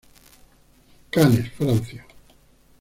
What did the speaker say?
Cannes, Francia.